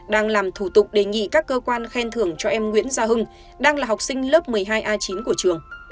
đang làm thủ tục đề nghị các cơ quan khen thưởng cho em nguyễn gia hưng đang là học sinh lớp một mươi hai a chín của trường